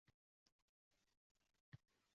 Hamrohim farishtalar.